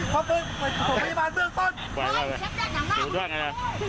เขาเปิดถือพยาบาลเบื้องต้น